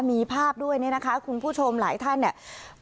มีภาพด้วยเนี่ยนะคะคุณผู้ชมหลายท่านเนี่ย